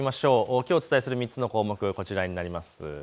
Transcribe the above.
きょうお伝えする３つの項目はこちらです。